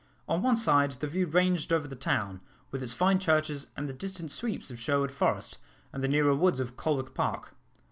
On one side the view ranged over the town, with its fine churches, and the distant sweeps of Sherwood Forest, and the nearer woods of Colwick Park.